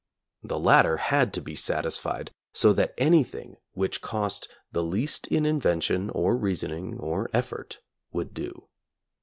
The lat ter had to be satisfied, so that anything which cost the least in invention or reasoning or effort would do.